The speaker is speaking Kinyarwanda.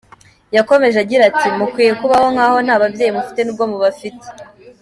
Yakomeje agira ati “Mukwiye kubaho nk’aho nta babyeyi mufite nubwo mubafite.